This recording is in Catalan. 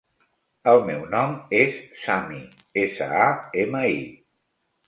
El meu nom és Sami: essa, a, ema, i.